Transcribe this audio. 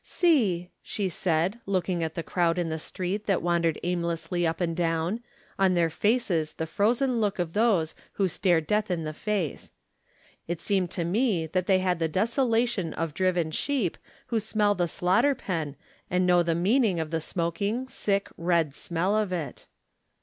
"See," she said, looking at the crowd in the street that wandered aimlessly up and down, on their faces the frozen look of those who still stare death in the face. It seemed to me that they had the desolation of driven sheep who smell the slaughter Digitized by Google THE NINTH MAN pen and know the meaning of the smoking, sick, red smell of it.